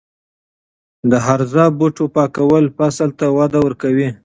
د هرزه بوټو پاکول فصل ته وده ورکوي.